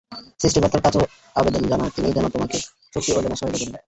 সৃষ্টিকর্তার কাছেও আবেদন জানাও তিনি যেন তোমাকে শক্তি অর্জনে সহায়তা করেন।